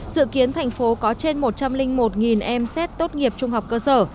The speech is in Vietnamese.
dự kiến thành phố có trên một trăm linh một em xét tốt nghiệp trung học cơ sở